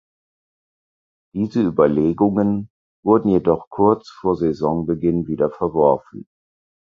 Diese Überlegungen wurden jedoch kurz vor Saisonbeginn wieder verworfen.